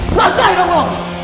selamat jalan dong lo